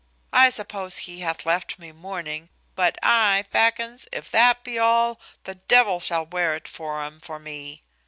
I suppose he hath left me mourning; but, i'fackins! if that be all, the devil shall wear it for him, for me.